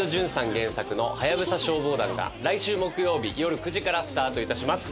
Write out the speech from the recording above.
原作の『ハヤブサ消防団』が来週木曜日よる９時からスタートいたします。